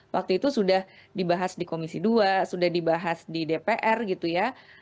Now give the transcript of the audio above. waktu itu sudah dibahas di komisi dua sudah dibahas di dpr gitu ya